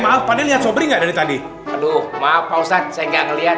maaf maaf lihat sobri enggak dari tadi aduh maaf pak ustadz saya gak ngelihat